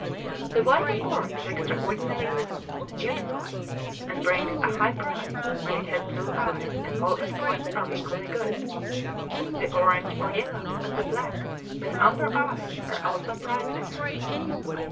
The white Angora is extraordinarily beautiful, and brings a high price when it has blue eyes and all its points are equally good. The orange, or yellow, and the black with amber eyes are also prize winners.